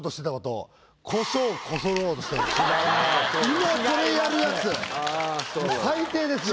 今それやるやつ最低ですよ。